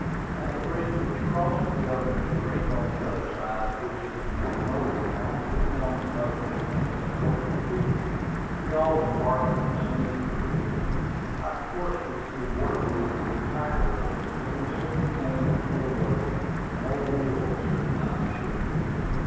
At the bridge which crosses Governor's Creek, on the other side of which is the Magnolia House, we found the boats, which had been ordered to be here. We all embarked, and ascended the creek. Our course was through water weeds and tiger lilies; but we soon came to clear water. An old mill stood by the shore.